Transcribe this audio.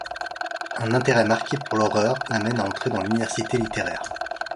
Un intérêt marqué pour l’horreur l’amène à entrer dans l’univers littéraire.